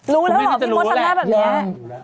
รู้แล้วเหรอพี่มดทำหน้าแบบนี้